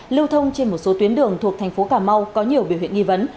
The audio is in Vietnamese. lưu thông trên một số tuyến đường thuộc thành phố cà mau có nhiều biểu hiện nghi vấn